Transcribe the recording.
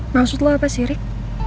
maksud lo apa sih rik